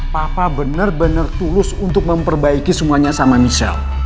papa bener bener tulus untuk memperbaiki semuanya sama michelle